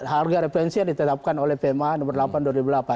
harga referensi yang ditetapkan oleh pma nomor delapan tahun dua ribu delapan